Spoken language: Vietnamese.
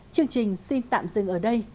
chương trình xin tạm dừng ở đây